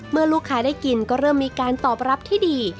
เมื่อลูกค้าได้กินก็เริ่มมีการตอบรับที่ดี